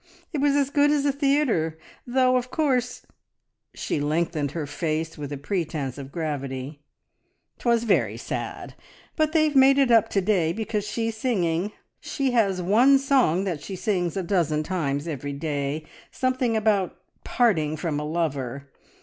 It was as good as a theatre, though, of course " she lengthened her face with a pretence of gravity "'twas very sad! But they've made it up to day, because she's singing. She has one song that she sings a dozen times every day ... something about parting from a lover.